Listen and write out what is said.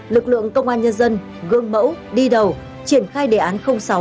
lực lượng công an nhân dân gương mẫu đi đầu triển khai đề án sáu